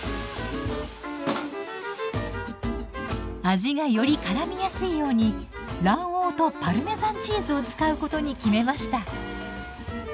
味がよりからみやすいように卵黄とパルメザンチーズを使うことに決めました。